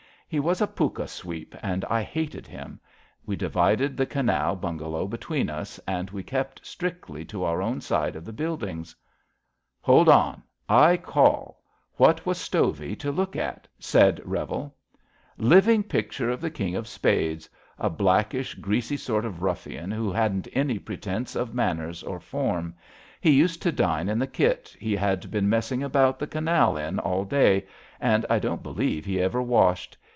He was a pukka sweep, and I hated him. We divided the Canal bungalow between us, and we kept strictly to our own side of the buildings." *^ Hold on! I call. What was Stovey to look at? " said Revel. *^ Living picture of the King of Spades — ^a blackish, greasy sort of rulBfian who hadn't any pretence of manners or form. He used to dine in the kit he had been messing about the Canal in all day, and I don't believe he ever washed.